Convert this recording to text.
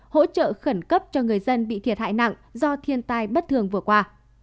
hỗ trợ khẩn cấp cho người dân bị thiệt hại nặng do thiên tai bất thường vừa qua